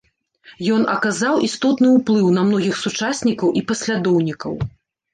Ён аказаў істотны ўплыў на многіх сучаснікаў і паслядоўнікаў.